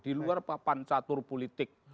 di luar papan catur politik